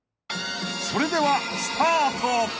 ［それではスタート！